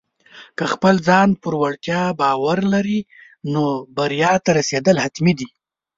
که د خپل ځان پر وړتیا باور لرې، نو بریا ته رسېدل حتمي دي.